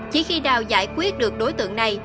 chỉ khi đào giải quyết được đối tượng này